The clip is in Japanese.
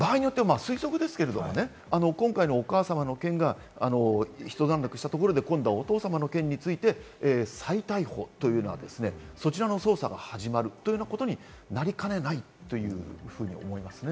推測ですけれども、今回のお母さまの件がひと段落したところで、今度はお父様の件について再逮捕というような、そちらの捜査が始まるというようなことになりかねないというふうに思いますね。